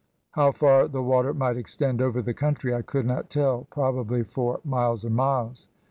How far the water might extend over the country I could not tell, probably for miles and miles.